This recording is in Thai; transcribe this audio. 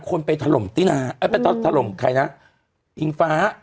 คนไปถล่มตินาเอ้ยไปถล่มใครนะอิงฟ้า